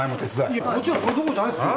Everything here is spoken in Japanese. いやこっちはそれどころじゃないですよ。